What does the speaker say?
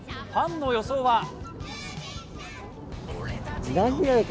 ファンの予想は？